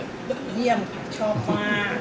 เยี่ยมค่ะชอบมาก